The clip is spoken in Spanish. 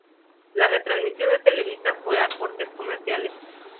La retransmisión televisiva fue a cortes comerciales.